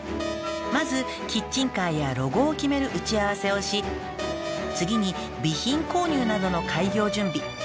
「まずキッチンカーやロゴを決める打ち合わせをし次に備品購入などの開業準備」